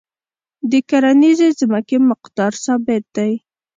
د کرنیزې ځمکې مقدار ثابت دی.